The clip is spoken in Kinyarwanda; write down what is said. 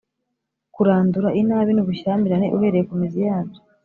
kurandura inabi n’ubushyamirane uhereye ku mizi yabyo